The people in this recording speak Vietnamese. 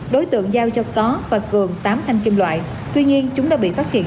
đối tượng giao cho có và cường tám thanh kim loại tuy nhiên chúng đã bị phát hiện